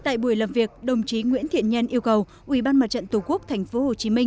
tại buổi làm việc đồng chí nguyễn thiện nhân yêu cầu ủy ban mặt trận tổ quốc tp hcm